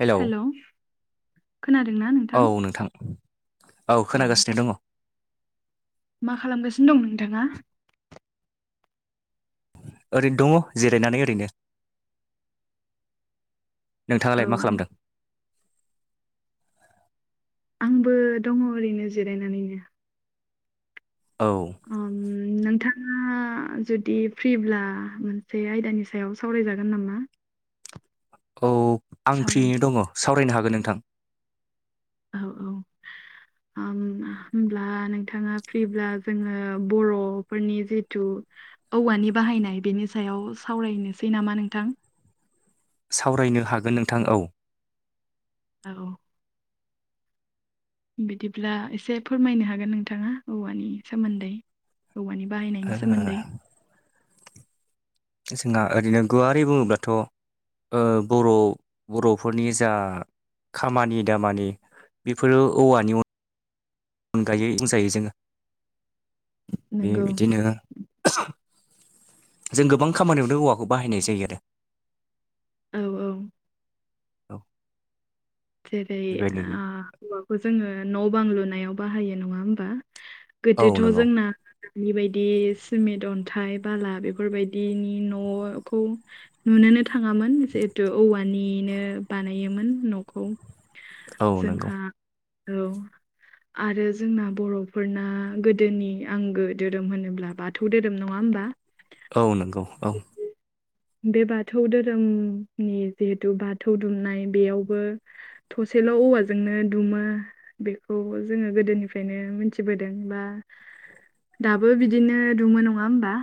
Hello औ नोंथां औ खोनागासिनो दङ मा खालामगासिनो दं नोंथाङा ओरैनो दङ जिरायनानै ओरैनो औ नोंथाङालाय मा खालामदों आंबो दङ ओरैनो जिरायनानैनो औ ओम‌ नोंथाङा ङा जुदि फ्रिब्ला मोनसे आयदानि सायाव सावरायजागोन नामा? औ आं सावरायनो फ्रियैनो दङ सावरायनो हागोन नोंथां। औ औ ओम होमब्ला नोंथाङा फ्रिब्ला जोङो बर'फोरनि जिथु औवानि बाहायनाय बेनि सायाव सावरायनोसै नामा नोंथां सावरायनो हागोन नोंथां औ औ बिदिब्ला एसे फोरमायनो हागोन नोंथाङा औवानि सोमोन्दै औवानि बाहायनायनि सोमोन्दै जोंहा ओरैनो गुवारै बुङोब्लाथ' ओ बर' बर'फोरनि जा खामानि दामानि बेफोरो औवानि अन अनगायै बुंजायो जोङो बे नोंगौ बिदिनो [unintelligible] जों गोबां खामानियावनो औवाखौ बाहायनाय जायो आरो। औ औ औ जेरै- बेबायदिनो ओ हौवाखौ जोङो न' बां लुनायाव बाहायो नङा होमबा औ गोदोथ' नंगौ जोंना [unintelligible] सिमेन्ट अन्थाइ बाला बेफोरबायदिनि न'खौ नुनोनो थाङामोन जिहेथु औवानिनो बानायोमोन न'खौ औ नंगौ जोंहा औ आरो जोंना बर'फोरना गोदोनि आंगो धोरोम होनोब्ला बाथौ धोरोम नङा होमबा औ नंगौ औ द बे बाथौ धोरोमनि जिहेथु बाथौ दुमनाय बेयावबो थसेल' औवाजोंनो दुमो बेखौ जोङो गोदोनिफ्रायनो मोनथिबोदों बा दाबो बिदिनो दुमो नङा होमबा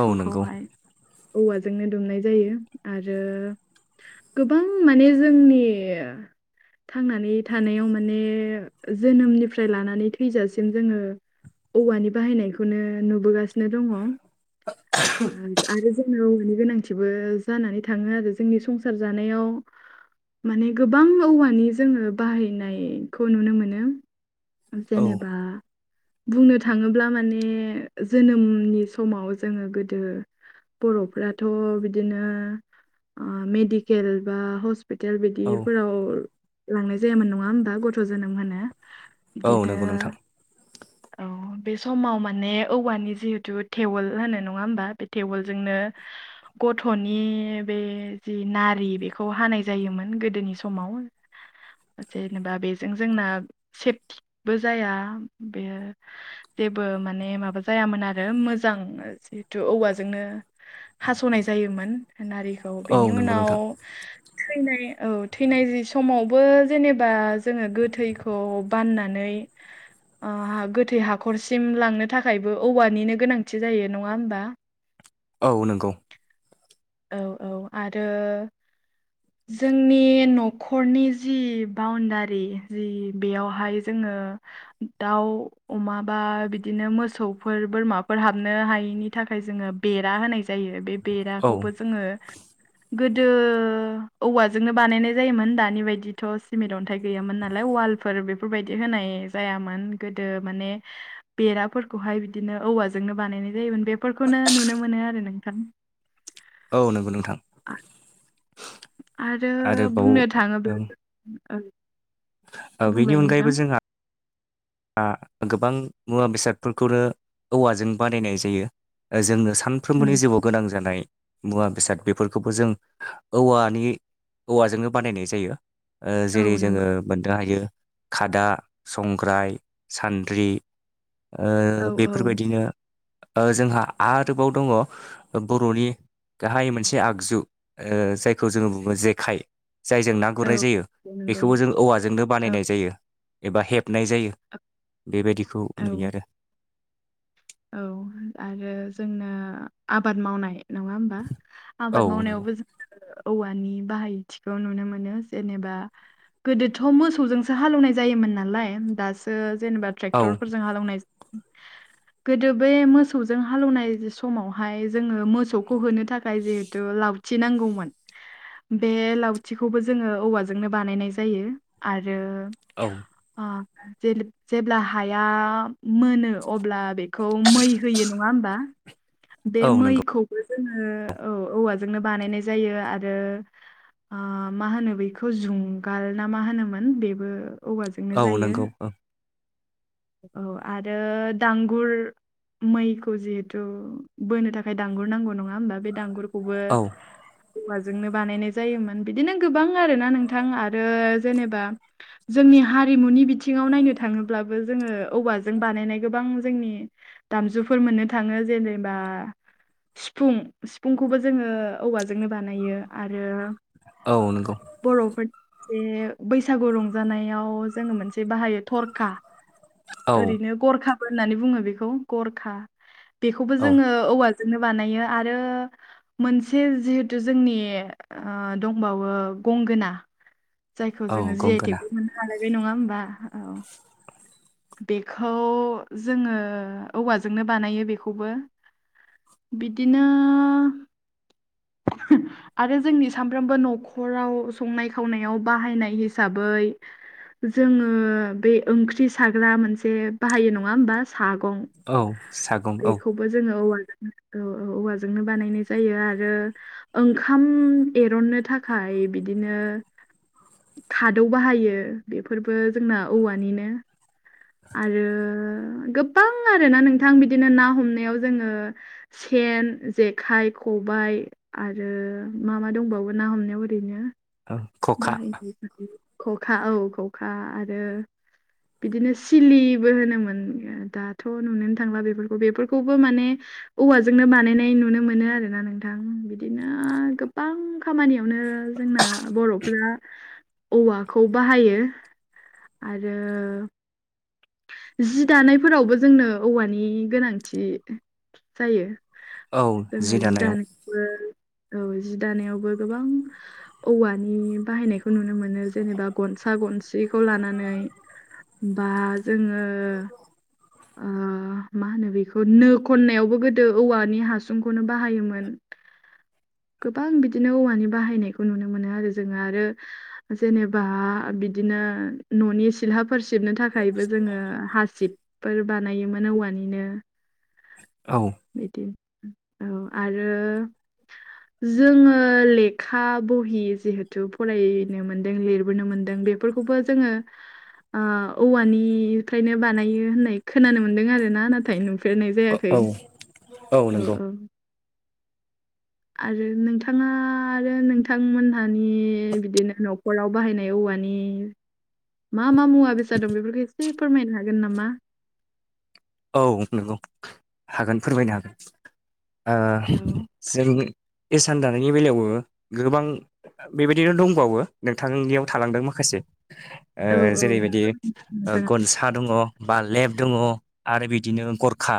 औ नंगौ औवाजोंनो दुमनाय जायो आरो गोबां माने जोंनि थांनानै थानायाव माने जोनोमनिफ्राय लानानै थैजासिम जोङो औवानि बाहायनायखौनो नुबोगासिनो दङ। आ रो जोंनाव औवानि गोनांथिबो जानानै थाङो आरो जोंनि संसार जानायाव माने गोबां औवानि जोङो बाहायनायखौ नुनो मोनो। औ जेनेबा बुंनो थाङोब्ला माने जोनोमनि समाव जोङो गोदो बर'फ्राथ' बिदिनो मेडिकेल बा हस पिटेल औ बिदिफोराव लांनाय जायामोन नङा होमबा गथ' जोनोम होनो। औ इदिनो नंगौ नोंथां औ बे समाव माने औवानि जिहेथु थेवल होनो नङा होमबा बे थेवोलजोंनो गथ'नि बे जि नारि बेखौ हानाय जायोमोन गोदोनि समाव। जेनेबा बेजों जोंना सेफ बो जाया बेयो जेबो माने माबा जायामोन आरो मोजां जिहेथु औवा जोंनो हास'नाय जायोमोन नारिखौ औ बेनि नंगौ उनाव नोंथां थैनाय औ थैनाय जि समावबो जेनेबा जोङो गोथैखौ बाननानै ओ हा गोथै हाखरसिम लांनो थाखायबो औवानिनो गोनांथि जायो नङा होमबा? औ नोंगौ। औ औ आरो जोंनि न'खरनि जि बाउणडारि जि बेयावहाय जोङो दाउ अमा बा बिदिनो मोसौफोर बोरमाफोर हाबनो हायैनि थाखाय जोङो बेरा होनाय जायो बे औ बेराखौबो जोङो गोदो औवाजोंनो बानायनाय जायोमोन दानि बायदिथ' सिमेट अन्थाइ गैयामोन नालाय वालफोर बेफोरबायदि होनाय जायामोन गोदो माने बेराफोरखौहाय बिदिनो औवाजोंनो बानायनाय जायोमोन। बेफोरखौनो नुनो मोनो आरो नोंथां। औ नंगौ नोंथां। आ- आरो आरोबाव बुंनो थाङोब्ला ओं ओ बुंबाय बेनि नोंथां अनगायैबो जोंहा आ गोबां मुवा बेसादफोरखौनो औवाजों बानायनाय जायो जोंनो सान फ्रोमबोनि नों जिउआव गोनां जानाय मुवा बेसाद बेफोरखौबो जों औवानि औवाजोंनो बानायनाय जायो। ओ औ जेरै नोंगौ जोङो मोननो हायो खादा, संग्राय, सान्द्रि। औ ओ औ बेफोरबायदिनो ओ जोंहा आरोबाव दङ बर'नि गाहाय मोनसे आगजु ओ जायखौ जोङो बुङो जेखाइ जायजों ना औ गुरनाय जायो बे नंगौ बेखौबो जों औवाजोंनो औ बानायनाय जायो एबा हेबनाय जायो। बेबायदिखौ औ नुयो आरो। औ आरो जोंना आबाद मावनाय नङा होमबा? औ आबाद नंगौ मावनायावबो जोङो औवानि बाहायथिखौ नुनो मोनो जेनेबा गोदोथ' मोसौजोंसो हालौनाय जायोमोन नालाय दासो जेनेबा औ ट्रेक्टरफोरजों हालौवनाय गोदो बे मोसौजों हालौनाय समावहाय जोङो मोसौखौ होनो थाखाय जिहेथु लाव थि नांगौमोन। बे लावथिखौबो जोङो औवाजोंनो बानायनाय जायो आरो औ अ जेब्ला हाया मोनो अब्ला खौ मै होयो नङा होमबा। बे औ नंगौ मैखौबो जोङो औ औवाजोंनो बानायनाय जायो आरो ओ मा होनो बेखौ जुंगाल ना मा होनोमोन बेबो औवाजों औ नंगौ औ। औ आरो दांगुर मैखौ जिहेथु बोनो थाखाय दांगुर नांगौ नङा होमबा बे दांगुरखौबो औ औवाजोंनो बानायनाय जायोमोन बिदिनो गोबां आरोना नोंथां आरो जेनेबा जोंनि हारिमुनि बिथिङाव नायनो थाङोब्लाबो जोङो औवाजों बानायनाय गोबां जोंनि दामजुफोर मोननो थाङो जेनेबा सिफुं सिफुंखौबो जोङो औवाजोंनो बानायो आरो औ नोंगौ। बर'फोर जे बैसागु रंजानायाव जोङो मोनसे बाहायो थरखा। औ ओरैनो गरखाबो होननानै बुङो बेखौ गरखा बेखौबो औ जोङो औवाजोंनो बानायो आरो मोनसे जिहेथु जोंनि ओ दंबावो गंगोना। जायखौ औ जोङो जि आइ गंगोना टेकबो मोननो हालायबाय नङा होमबा? औ। बेखौ जोङो औवाजोंनो बानायो बेखौबो। बिदिनो आरो जोंनि सामफ्रामबो न'खराव संनाय खावनायाव बाहायनाय हिसाबै जोङो बे ओंख्रि साग्रा मोनसे बाहायो नङा होमबा? सागं औ सागं औ। खौबो जोङो औवाजों औ औ औवाजोंनो बानायनाय जायो आरो ओंखाम एरननो थाखाय बिदिनो खादौ बाहायो बेफोरबो जोंना औवानिनो। आरो गोबां आरोना नोंथां बिदिनो ना हमनायाव जोङो सेन जेखाइ खबाइ आरो मा मा दंबावो ना हमनायाव ओरैनो औ खखा बाहायनाय बेबादि ख'खा औ ख'खा आरो बिदिनो सिलिबो होनो मोन [unintelligible] गोन दाथ' नुनोनो थांला बेफोरखौ बेफोरखौबो माने औवाजोंनो बानायनाय नुनो मोनो आरोना नोंथां बिदिनो गोब गोबां खामानियावनो जोंना बर'फ जा औवाखौ बाहायो जि दानायफोरावबो जोंनो औवानि गोनांथि जायो औ जोङो जि दानायाव दानो [unintelligible] औ जि दानायावबो गोबां औवानि बाहायनायखौ नुनो मोनो जेनेबा गनसा गनसिखौ लानानै बा जोङो ओ मा होनो बेखौ नो खननायावबो गोदो औवानि हासुंखौनो बाहायोमोन। गोबां बिदिनो औवानि बाहायनायखौ नुनो मोनो आरो जोङो आरो जेनेबा बिदिनो न'नि सिला फोर सिबनो थाखायबो जोङो हासिबफोर बानायोमोन औवानिनो। औ बिदि औ आरो जोङो लेखा बहि जिहेथु फरायनो मोनदों लिरबोनो मोन्दों बे बेखौबो जोङो ओ औवानिफ्रायनो बानायो होननाय खोनानो मोन्दों आरो ना नों नाथाय नुफेरनाय जायाखै औ औ औ आरो नोंथाङा आरो नोंथांमोनहानि बिदिनो न'खराव बाहायनाय औवानि मा मा मुवा बेसाद दं बेफोरखौ एसे फोरमायनो हागोन नामा? औ नंगौ हागोन फोरमायनो हागोन औ ओ जों इसान दानायनि बेलायावबो गोबां बेबायदिनो दंबावो नोंथांनियाव थालांदों माखासे ओ औ जेरैबायदि ओ नोंथाङा गनसा दङ बा लेब दङ आरो बिदिनो गरखा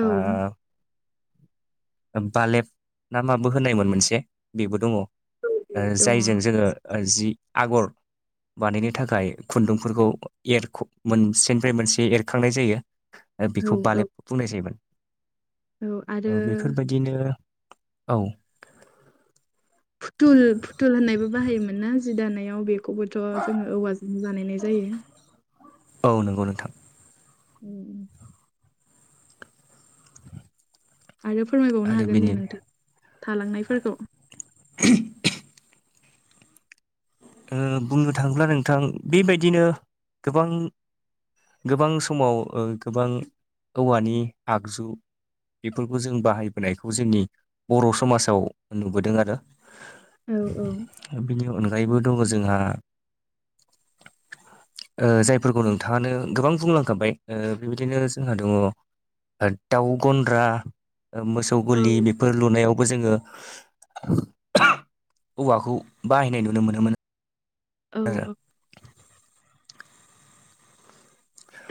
औ ओ बालेब ना माबो होननायमोन मोनसे बेबो दङ ओ दङ जायजों जोङो ओ जि आगर बानायनो थाखाय खुन्दुंफोरखौ एरख' मोनसेनिफ्राय मोनसे एरखांनाय जायो औ बेखौ औ बालेब बुंनाय जायोमोन औ आरो बिदिनो औ फुथुल फुथुल होननायबो बाहायोमोन ना जि दानायाव बेखौबोथ' जोङो औवाजों बानायनाय जायो औ नंगौ नोंथां उम [inaudible] आरो फोरमायबावनो आरो हागोन दे बेनि नोंथां थालांनायफोरखौ [unintelligible] ओ बुंनो थाङोब्ला नोंथां बेबायदिनो गोबां गोबां समाव ओ गोबां औवानि आगजु बेफोरखौ जों बाहायबोनायखौ जोंनि बर' समाजाव नुबोदों आरो औ औ बिनि अनगायैबो दङ जोंहा [inaudible] ओ जायफोरखौ नोंथाङानो गोबां बुंलांखाबाय ओ बेबायदिनो जोंहा दङ ओ दाउ गन्द्रा ओ मोसौ औ गलि बे फोर लुनायावबो जोङो औवाखौ बाहायनाय नुनो मोनोम मोन। औ औ [unintelligible]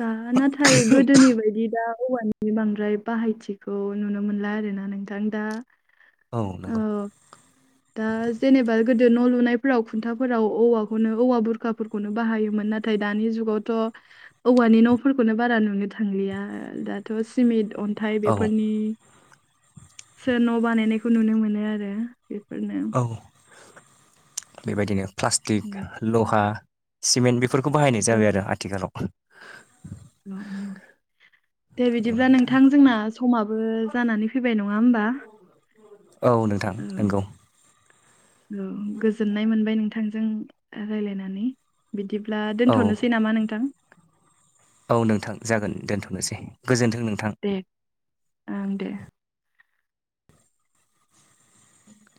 दा नाथाय गोदोनि बायदि दा औवानि बे बांद्राय बाहायथिखौ नुनो मोनला आरो ना नोंथां दा। औ नंगौ। दा जेनेबा गोदो न' लुनायफोराव खुन्थाफोराव औवाखौनो औवा बुरखाफोर खौनो बाहायोमोन नाथाय दानि जुगावथ' औवानि न'फोरखौनो बारा नुनो थांलिया दा। थ' सिमेन्ट अन्थाइ औ बेफोरनि सोर न' बानायनायखौ नुनो मोनो आरो बेफोरनो औ बेबायदिनो प्लास्टिक उम लहा सिमेन्ट बेफोरखौ बाहायनाय जाबाय आरो आथिखालाव। औ। दे बिदिब्ला नोंथां जोंना समाबो जानानै फैबाय नङा होमबा? औ नोंथां नंगौ। औ गोजोननाय मोनबाय नोंथांजों रायलायनानै। बिदिब्ला औ दोनथ'नोसै नामा नोंथां? औ नोंथां जागोन दोनथ'नोसै गोजोन्थों नोंथां। दे ओं दे।